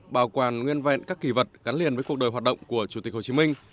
bảo quản nguyên vẹn các kỳ vật gắn liền với cuộc đời hoạt động của chủ tịch hồ chí minh